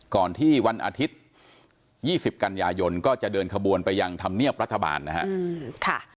ก่อนที่วันอาทิตย์๒๐กันยายนก็จะเดินขบวนไปยังธรรมเนียบรัฐบาลนะครับ